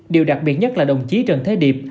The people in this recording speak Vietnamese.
điều đặc biệt nhất là đồng chí trần thế điệp